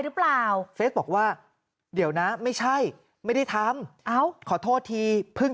หรือเปล่าเฟสบอกว่าเดี๋ยวนะไม่ใช่ไม่ได้ทำเอ้าขอโทษทีเพิ่ง